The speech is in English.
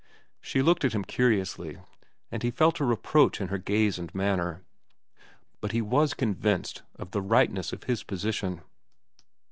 She looked at him curiously, and he felt a reproach in her gaze and manner. But he was convinced of the rightness of his position.